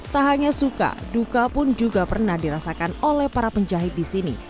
tak hanya suka duka pun juga pernah dirasakan oleh para penjahit di sini